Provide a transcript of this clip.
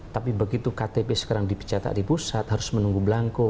tapi begitu ktp sekarang dicetak di pusat harus menunggu belangko